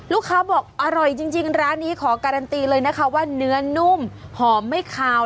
ลูกค้าบอกอร่อยจริงร้านนี้ขอการันตีเลยนะคะว่าเนื้อนุ่มหอมไม่ขาว